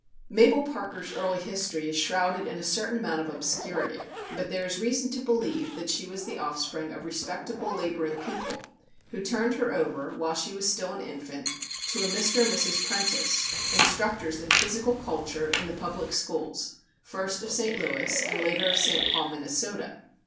] Mabel Parker's early history is shrouded in a certain amount of obscurity, but there is reason to believe that she was the offspring of respectable laboring people who turned her over, while she was still an infant, to a Mr. and Mrs. Prentice, instructors in physical culture in the public schools, first of St. Louis and later of St. Paul, Minnesota.